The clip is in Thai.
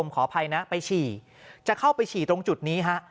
ขออภัยนะไปฉี่จะเข้าไปฉี่ตรงจุดนี้ฮะ